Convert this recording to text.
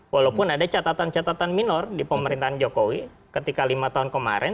walaupun ada catatan catatan minor di pemerintahan jokowi ketika lima tahun kemarin